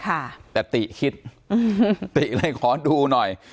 แต่ติคิดติเลยขอดูหน่อย